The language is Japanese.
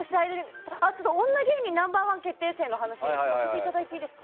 女芸人ナンバー１決定戦の話させてもらっていいですか。